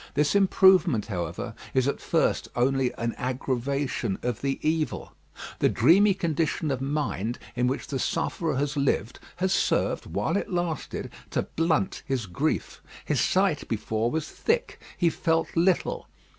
This improvement, however, is at first only an aggravation of the evil. The dreamy condition of mind in which the sufferer has lived, has served, while it lasted, to blunt his grief. His sight before was thick. He felt little.